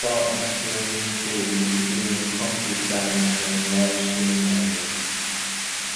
Barton Springs Pool was given a concrete dam and an enlarged swimming area.